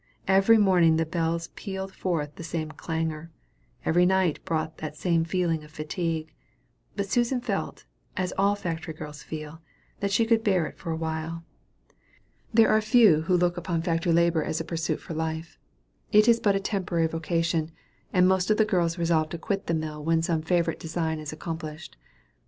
Every morning the bells pealed forth the same clangor, and every night brought the same feeling of fatigue. But Susan felt, as all factory girls feel, that she could bear it for a while. There are few who look upon factory labor as a pursuit for life. It is but a temporary vocation; and most of the girls resolve to quit the mill when some favorite design is accomplished.